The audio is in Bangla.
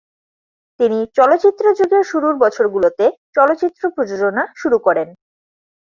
তিনি চলচ্চিত্র যুগের শুরুর বছরগুলোতে চলচ্চিত্র প্রযোজনা শুরু করেন।